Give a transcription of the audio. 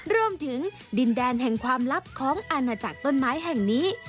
รวมถึงดินแดนแห่งความลับของอาณาจักรต้นไม้แห่งนี้